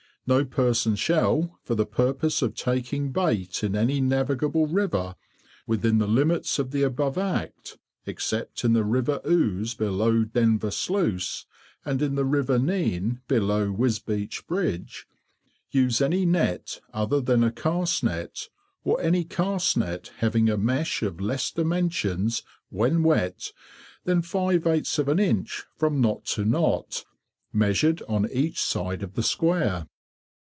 No person shall, for the purpose of taking Bait in any navigable river within the limits of the above Act (except in the River Ouse below Denver Sluice, and in the River Nene below Wisbeach Bridge), use any Net other than a Cast Net, or any Cast Net having a mesh of less dimensions, when wet, than five eighths of an inch from knot to knot, measured on each side of the square.